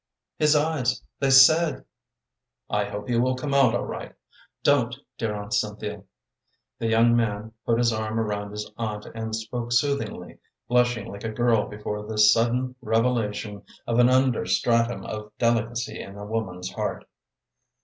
"His eyes, they said " "I hope he will come out all right. Don't, dear Aunt Cynthia." The young man put his arm around his aunt and spoke soothingly, blushing like a girl before this sudden revelation of an under stratum of delicacy in a woman's heart.